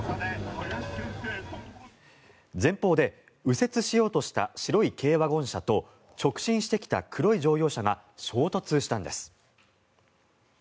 前方で右折しようとした白い軽ワゴン車と直進してきた黒い乗用車が衝突したのです。